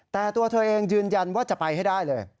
แต่ตัวเธอเองยืนยันว่าจะไปให้ได้เลย